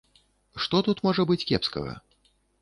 Што тут можа быць кепскага?